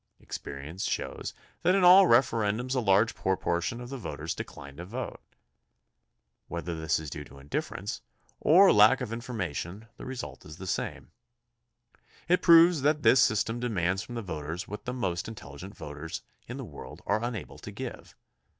Experience shows that in all referen dums a large proportion of the voters decline to vote. Whether this is due to indifference or to lack of in 60 THE CONSTITUTION AND ITS MAKERS formation the result is the same. It proves that this system demands from the voters what the most in teUigent voters in the world are unable to give.